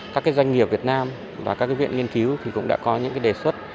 các cái doanh nghiệp việt nam và các cái viện nghiên cứu thì cũng đã có những cái đề xuất